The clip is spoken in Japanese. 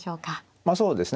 まあそうですね